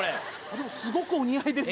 でもすごくお似合いですよ。